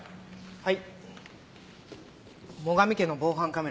はい！